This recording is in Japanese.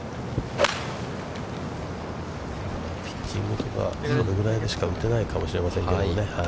ピッチングとか、それぐらいでしか打てないと思いますけどね。